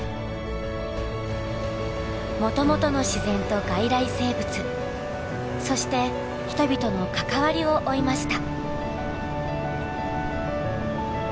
もともとの自然と外来生物そして人々の関わりを追いました。